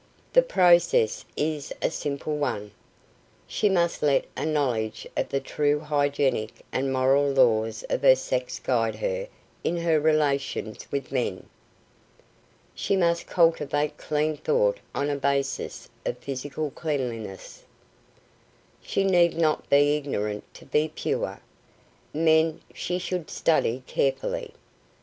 The process is a simple one. She must let a knowledge of the true hygienic and moral laws of her sex guide her in her relations with men. She must cultivate clean thought on a basis of physical cleanliness. She need not be ignorant to be pure. Men she should study carefully.